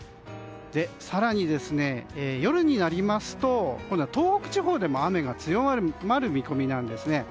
更に、夜になりますと今度は東北地方でも雨が強まる見込みなんですね。